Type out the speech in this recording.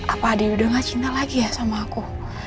apa dia udah gak cinta lagi ya sama aku